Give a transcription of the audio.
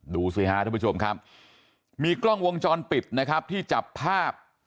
ดูสิฮะท่านผู้ชมครับมีกล้องวงจรปิดนะครับที่จับภาพ